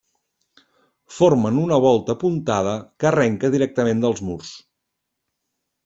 Formen una volta apuntada que arrenca directament dels murs.